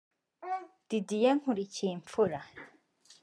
Didier Nkurikiyimfura